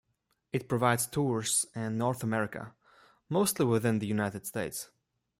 It provides tours in North America, mostly within the United States.